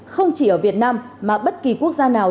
không chỉ ở việt nam mà bất kỳ quốc gia nào